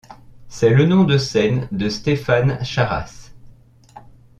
C'est le nom de scène de Stéphane Charasse..